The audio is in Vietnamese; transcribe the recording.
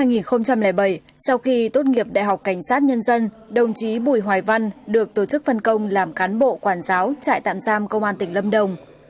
năm hai nghìn bảy sau khi tốt nghiệp đại học cảnh sát nhân dân đồng chí bùi hoài văn được tổ chức phân công làm cán bộ quản giáo trại tạm giam công an tỉnh lâm đồng